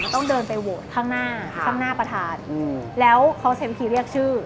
ต้องเดินไปโหวตข้างหน้าข้างหน้าประธานแล้วเขาเซ็นทีเรียกชื่อ